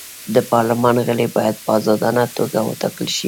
د پارلمان غړي باید په ازادانه توګه وټاکل شي.